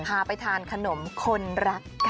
พาไปทานขนมคนรักกัน